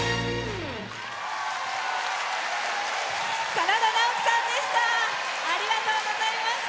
真田ナオキさんでした。